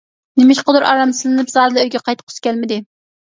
نېمىشقىدۇر ئارامسىزلىنىپ زادىلا ئۆيگە قايتقۇسى كەلمىدى.